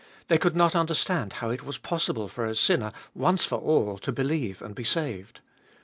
They could not understand how it was possible for a sinner once for all to believe and be saved.